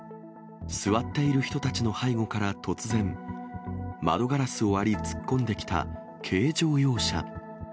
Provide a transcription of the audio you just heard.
座っている人たちの背後から突然、窓ガラスを割り、突っ込んできた軽乗用車。